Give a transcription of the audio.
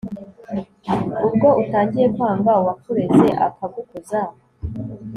ubwo utangiye kwanga uwakureze akagukuza